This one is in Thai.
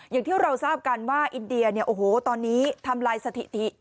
อย่างที่เราทราบกันว่าอินเดียเนี่ยโอ้โหตอนนี้ทำลายสถิติ